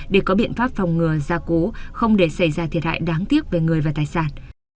để có biện pháp phòng ngừa gia cố không để xảy ra thiệt hại đáng tiếc về người và tài sản